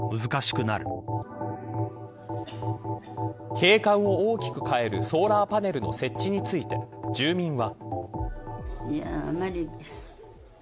景観を大きく変えるソーラーパネルの設置について住民は。